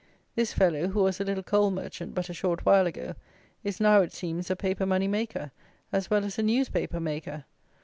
This fellow, who was a little coal merchant but a short while ago, is now, it seems, a paper money maker, as well as a newspaper maker.